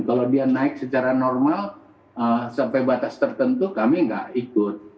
kalau dia naik secara normal sampai batas tertentu kami nggak ikut